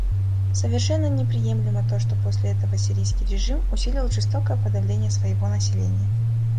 Совершенно неприемлемо то, что после этого сирийский режим усилил жестокое подавление своего населения.